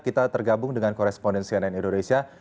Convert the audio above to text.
kita tergabung dengan korespondensi ann indonesia